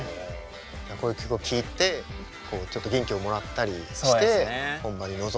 この曲を聴いてちょっと元気をもらったりして本番に臨んだり。